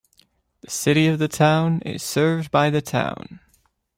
The city of the town is served by the town.